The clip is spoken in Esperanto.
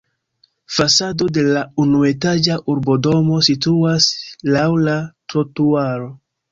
Fasado de la unuetaĝa urbodomo situas laŭ la trotuaro.